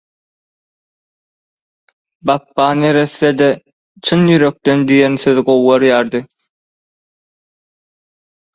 Bapba neressede çyn ýürekden diýen sözi gowy görýärdi.